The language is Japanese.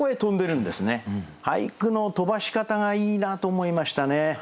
俳句の飛ばし方がいいなと思いましたね。